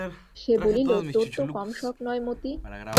সে বলিল, তোর তো কম শখ নয় মতি!